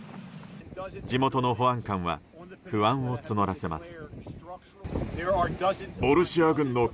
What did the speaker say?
地元の保安官は不安を募らせます。